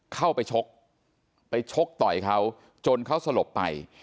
เข้าไปชกไปชกต่อยเขาจนเขาสลบไป